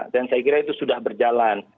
dan saya kira itu sudah berjalan